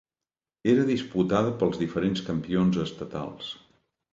Era disputada pels diferents campions estatals.